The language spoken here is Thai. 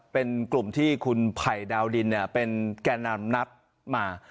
เป็นกลุ่มที่คุณไผ่ดาวดินเป็นแก่นำนัดมา